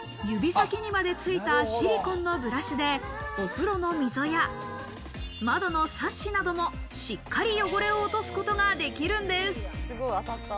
指先にまでついたシリコンのブラシで、お風呂の溝や窓のサッシなども、しっかり汚れを落とすことができるんです。